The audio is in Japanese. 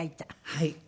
はい。